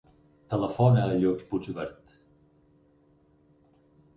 Telefona al Lluc Puigvert.